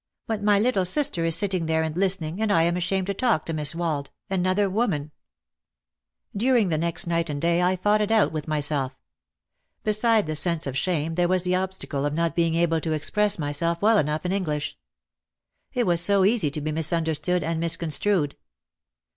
"But my little sister is sitting there and listening and I am ashamed to talk to Miss Wald — another woman !" During the next night and day I fought it out with myself. Beside the sense of shame there was the ob stacle of not being able to express myself well enough in English. It was so easy to be misunderstood and mis construed.